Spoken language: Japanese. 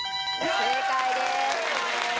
正解です。